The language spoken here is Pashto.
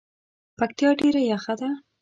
پکتیا ډیره یخه ده